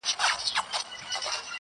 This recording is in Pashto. • زما د ميني جنډه پورته ښه ده.